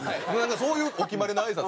そういうお決まりの挨拶。